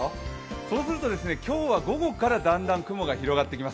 そうすると今日は午後からだんだん雲が広がっていきます。